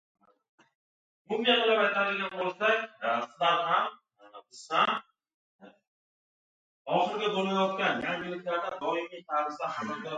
Buxorodagi madrasa devorlarining qulashi bo‘yicha tergov boshlandi